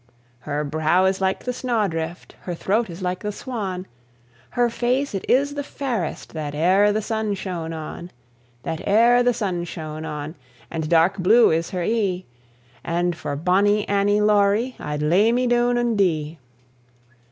Her brow is like the snawdrift, Her throat is like the swan, Her face it is the fairest That e'er the sun shone on That e'er the sun shone on; And dark blue is her e'e; And for bonnie Annie Laurie I'd lay me doune and dee.